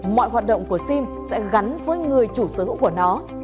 mọi hoạt động của sim sẽ gắn với người chủ sở hữu của nó